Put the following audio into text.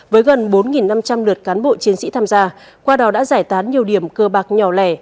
với gần bốn năm trăm linh lượt cán bộ chiến sĩ tham gia qua đó đã giải tán nhiều điểm cơ bạc nhỏ lẻ